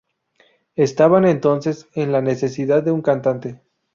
Estaban entonces en la necesidad de un cantante.